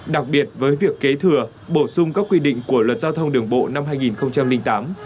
đặc biệt với việc kế thừa bổ sung các quy định của luật giao thông đường bộ năm hai nghìn tám